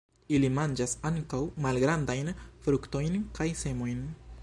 Ili manĝas ankaŭ malgrandajn fruktojn kaj semojn.